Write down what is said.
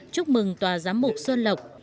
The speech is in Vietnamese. chúc mừng tòa giám mục xuân lộc